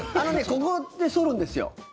ここって剃るんですよ。